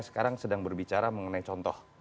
sekarang sedang berbicara mengenai contoh